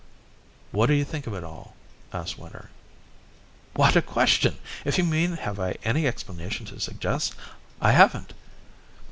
"What do you think of it all?" asked Winter. "What a question! If you mean, have I any explanation to suggest, I haven't."